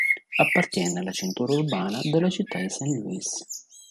Appartiene alla cintura urbana della città di Saint Louis.